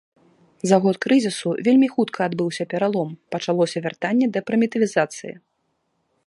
За год крызісу вельмі хутка адбыўся пералом, пачалося вяртанне да прымітывізацыі.